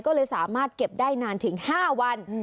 ก็เลยสามารถเก็บได้นานถึง๕วัน